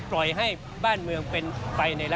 ส่วนต่างกระโบนการ